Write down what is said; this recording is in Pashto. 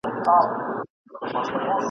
پټ یې څنګ ته ورنیژدې سو غلی غلی !.